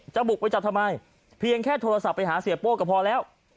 บุกไปจับทำไมเพียงแค่โทรศัพท์ไปหาเสียโป้ก็พอแล้ว